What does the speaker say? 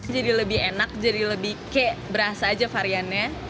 jadi lebih enak jadi lebih kek berasa aja variannya